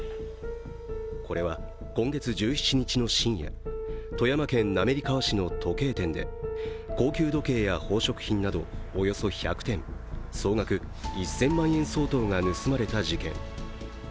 これは今月１７日の深夜、富山県滑川市の時計店で高級時計や宝飾品などおよそ１００点総額１０００万円相当が盗まれた事件。